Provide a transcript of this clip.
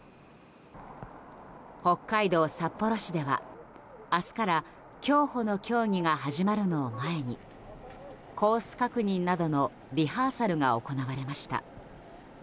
北海道札幌市では明日から競歩の競技が始まるのを前にコース確認などのリハーサルが行われました。